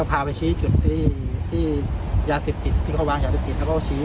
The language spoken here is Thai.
ก็พาไปชี้จุดที่ที่ยาเสพติดที่เขาวางจากจุดกันแล้วก็ชี้